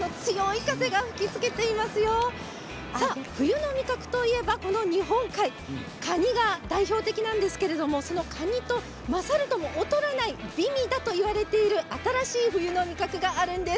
冬の味覚といえば日本海カニが代表的なんですけれどカニと勝るとも劣らない美味だと言われている新しい冬の味覚があるんです。